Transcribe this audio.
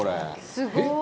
「すごーい！」